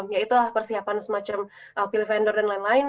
ya itulah persiapan semacam peal vendor dan lain lain